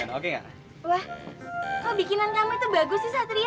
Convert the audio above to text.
wah kok bikinan kamu tuh bagus sih satria